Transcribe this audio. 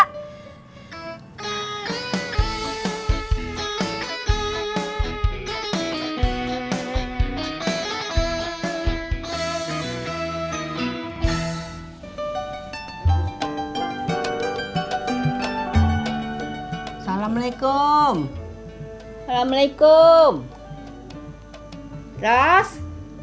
kami tidak kuset today cuk